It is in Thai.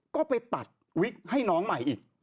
ก็ไปตัดวิกให้น้องใหม่อีก